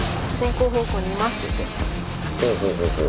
ほうほうほうほう。